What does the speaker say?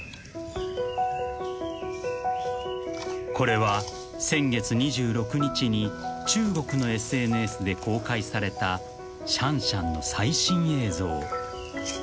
［これは先月２６日に中国のＳＮＳで公開されたシャンシャンの最新映像］